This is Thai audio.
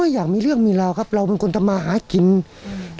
อยากมีเรื่องมีราวครับเราเป็นคนทำมาหากินอืม